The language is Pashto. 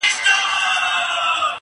شپه تپېږم تر سهاره لکه مار پر زړه وهلی٫